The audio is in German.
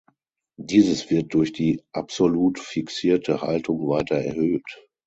Dieses wird durch die absolut fixierte Haltung weiter erhöht.